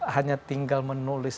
hanya tinggal menulis